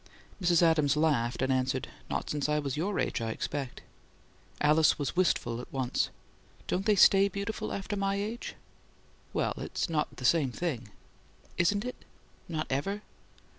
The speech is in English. Mrs. Adams laughed, and answered, "Not since I was your age, I expect." Alice was wistful at once. "Don't they stay beautiful after my age?" "Well, it's not the same thing." "Isn't it? Not ever?"